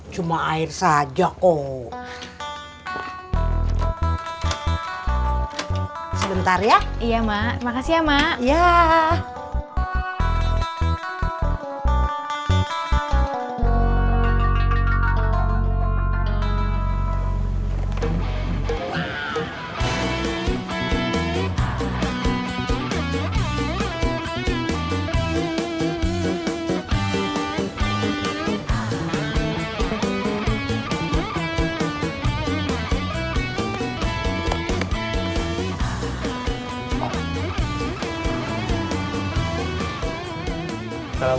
cuma air saja ya